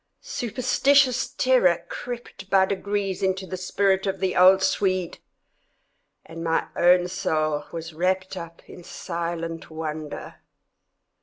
Superstitious terror crept by degrees into the spirit of the old Swede, and my own soul was wrapped up in silent wonder.